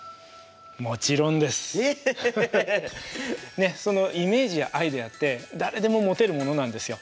ねっそのイメージやアイデアって誰でも持てるものなんですよ。